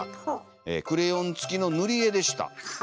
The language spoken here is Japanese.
クレヨンつきのぬりえでした。